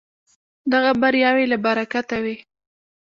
دغه بریاوې له برکته وې.